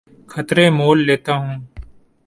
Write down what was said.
خطرے مول لیتا ہوں